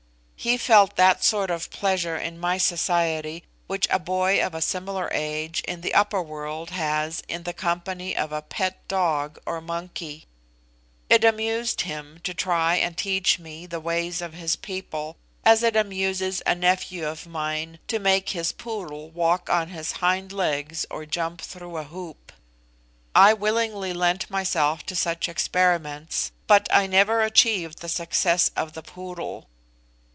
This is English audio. He felt that sort of pleasure in my society which a boy of a similar age in the upper world has in the company of a pet dog or monkey. It amused him to try and teach me the ways of his people, as it amuses a nephew of mine to make his poodle walk on his hind legs or jump through a hoop. I willingly lent myself to such experiments, but I never achieved the success of the poodle.